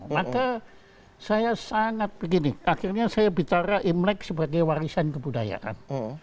maka saya sangat begini akhirnya saya bicara imlek sebagai warisan kebudayaan